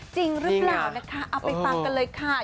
จริงหรือเปล่านะคะเอาไปฟังกันเลยค่ะ